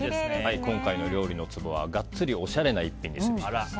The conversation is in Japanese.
今回の料理のツボはガッツリおしゃれな一品にすべし。